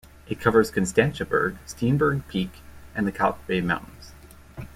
It covers Constantiaberg, Steenberg Peak and the Kalk Bay mountains.